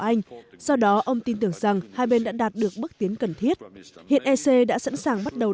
anh do đó ông tin tưởng rằng hai bên đã đạt được bước tiến cần thiết hiện ec đã sẵn sàng bắt đầu